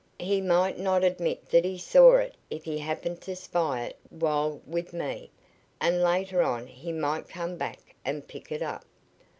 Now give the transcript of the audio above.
He might not admit that he saw it if he happened to spy it while with me, and later on he might come back and pick it up."